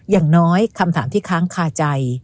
อย่างน้อยคำถามที่ค้างคาใจ